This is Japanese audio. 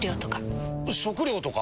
食料とか。